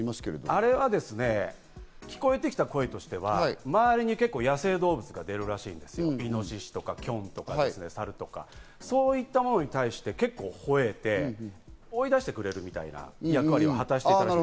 あれは聞こえてきた声としては周りに結構、野生動物が出るらしいんです、イノシシとかキョンとかサルとか、そういったものに対して結構吠えて追い出してくれるみたいな役割を果たしていた。